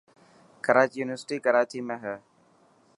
ڪراچي يونيورسٽي ڪراچي ۾ هي.